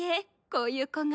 こういう子が。